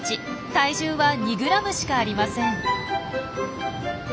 体重は２ｇしかありません。